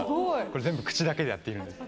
全部、口だけでやっているんです。